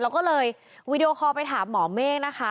แล้วก็เลยวีดีโอคอลไปถามหมอเมฆนะคะ